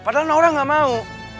padahal naura gak mau